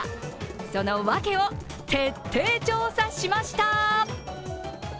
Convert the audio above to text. その訳を徹底調査しました。